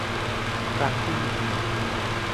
ครั้งที่